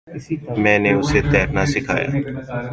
میں نے اسے تیرنا سکھایا۔